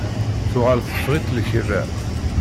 Tuɣal teffeɣ-itt lkerra.